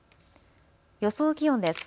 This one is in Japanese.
予想気温です。